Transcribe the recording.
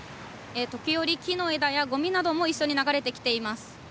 時折、木の枝やごみなども一緒に流れてきています。